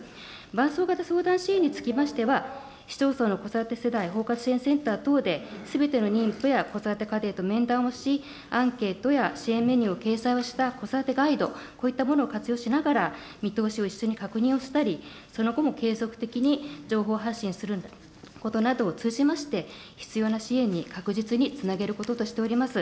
伴走型相談支援につきましては、市町村の子育て世帯包括支援センター等で、すべての妊婦や子育て家庭と面談をし、アンケートや支援メニューを掲載をした子育てガイド、こういったものを活用しながら、見通しを一緒に確認をしたり、その後も継続的に情報発信することなどを通じまして、必要な支援に確実につなげることとしております。